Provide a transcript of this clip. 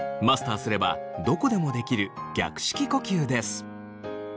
マスターすればどこでもできる逆式呼吸です。